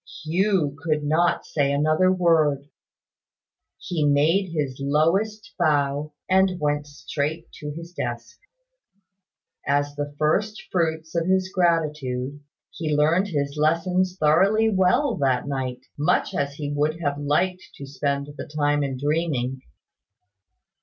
Hugh could not say another word. He made his lowest bow, and went straight to his desk. As the first fruits of his gratitude, he learned his lessons thoroughly well that night; much as he would have liked to spend the time in dreaming.